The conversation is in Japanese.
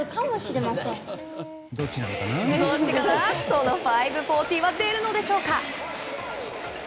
その５４０は出るのでしょうか。